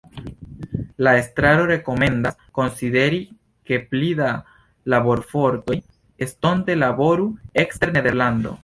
La estraro rekomendas konsideri, ke pli da laborfortoj estonte laboru ekster Nederlando.